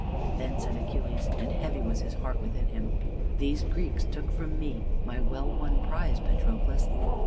Then said Achilles, and heavy was his heart within him: "These Greeks took from me my well won prize, Patroclus.